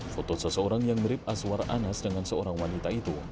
foto seseorang yang mirip aswar anas dengan seorang wanita itu